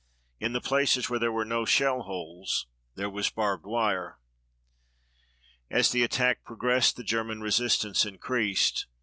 In the places where there were no shell holes there was barbed wire. As the attack progressed the German resistance increased.